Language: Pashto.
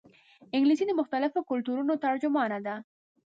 انګلیسي د مختلفو کلتورونو ترجمانه ده